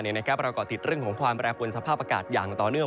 ก่อติดเรื่องของความแปรปวนสภาพอากาศอย่างต่อเนื่อง